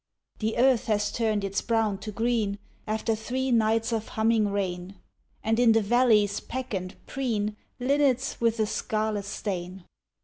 The earth has turned its brown to green After three nights of humming rain, And in the valleys peck and preen Linnets with a scarlet stain.